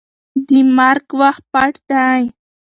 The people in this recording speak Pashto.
د مرګ وخت پټ دی.